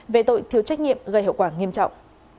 về tội thiếu trách nhiệm gây hậu quả nghiêm trọng